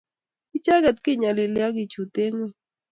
Icheget kenyolili akechute ngweny